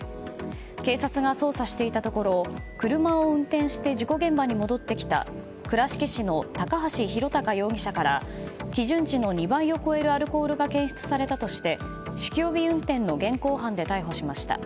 警察が捜査していたところ車を運転して事故現場に戻ってきた倉敷市の高橋博隆容疑者から基準値の２倍を超えるアルコールが検出されたとして酒気帯び運転の現行犯で逮捕しました。